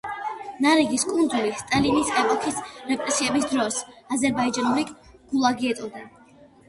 ნარგინის კუნძული, სტალინის ეპოქის რეპრესიების დროს, აზერბაიჯანული გულაგი ეწოდა.